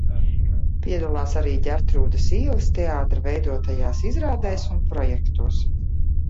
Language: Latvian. Piedalās arī Ģertrūdes ielas teātra veidotajās izrādēs un projektos.